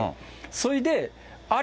それで、あれ？